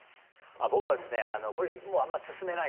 僕はですねこれ。